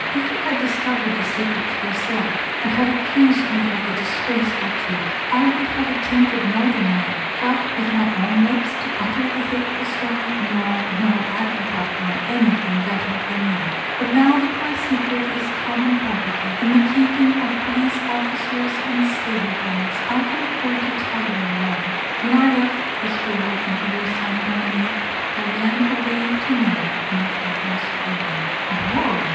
If you had discovered the secret yourself, and had accused me of the disgraceful truth, I would have attempted no denial; but with my own lips to utter the hateful story no, no, I could have borne anything better than that. But now that my secret is common property, in the keeping of police officers and stable boys, I can afford to tell you all. When I left the school in the Rue Saint Dominique, I ran away to marry my father's groom!" "Aurora!"